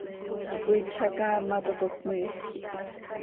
Cói tzacaamat oo, toc cömiij.